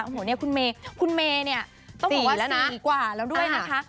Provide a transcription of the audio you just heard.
โอ้โหเนี่ยคุณเมย์คุณเมย์เนี่ยต้องบอกว่าปีกว่าแล้วด้วยนะคะ